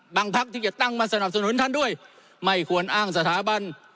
พักที่จะตั้งมาสนับสนุนท่านด้วยไม่ควรอ้างสถาบัน